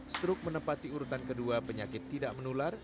stroke menempati urutan kedua penyakit tidak menular